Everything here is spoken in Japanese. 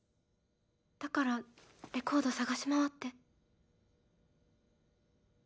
だからレコード探し回って。